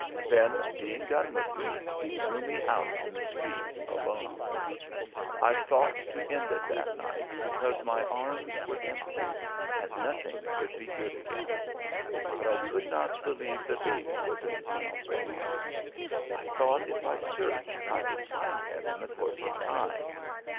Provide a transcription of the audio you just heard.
Then being done with me, he threw me out in the streets alone. I thought to end it that night, because my arms were empty and nothing could be good again. But I could not believe the baby was indeed gone; I thought if I searched I would find him in the course of time.